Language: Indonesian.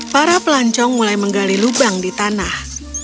para pelancong mulai menggali lubang di tanah